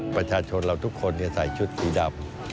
ประชาชนเราทุกคนใส่ชุดสีดำ